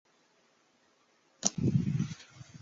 第一种说法戴欧尼修斯是宙斯和塞墨勒的儿子。